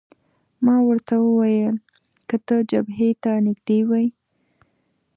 ما ورته وویل: که ته جبهې ته نږدې وای.